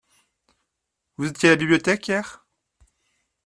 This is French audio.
Vous étiez à la bibliothèque hier ?